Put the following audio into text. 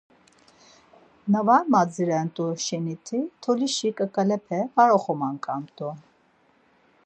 Na var madziret̆u şeniti tolişi ǩaǩalepe var oxominǩant̆u.